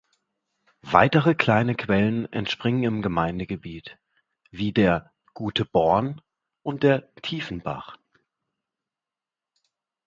Weitere kleine Quellen entspringen im Gemeindegebiet, wie der "Gute Born" und der "Tiefenbach".